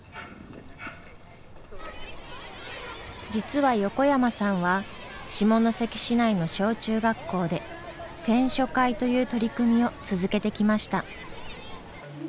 実は横山さんは下関市内の小中学校で選書会という取り組みを続けてきました。